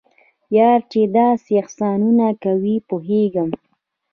یار چې داسې احسانونه کوي پوهیږم.